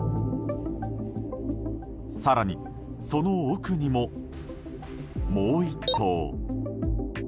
更にその奥にも、もう１頭。